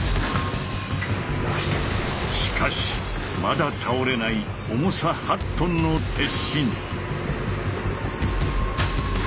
しかしまだ倒れない重さ８トンの鉄心。